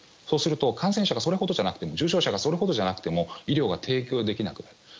そうすると感染者がそれほどじゃなくても重症者がそれほどじゃなくても医療が提供できなくなる。